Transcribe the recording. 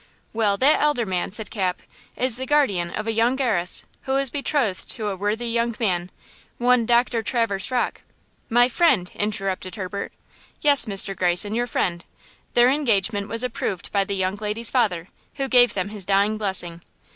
"Well, that elder man," said Cap, "is the guardian of a young heiress who was betrothed to a worthy young man, one Doctor Traverse Rocke." "My friend!" interrupted Herbert. "Yes, Mr. Greyson, your friend! Their engagement was approved by the young lady's father, who gave them his dying blessing.